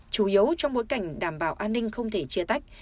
chủ yếu trong bối cảnh đảm bảo an ninh không thể chia tách